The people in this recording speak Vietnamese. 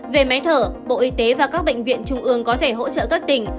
về máy thở bộ y tế và các bệnh viện trung ương có thể hỗ trợ các tỉnh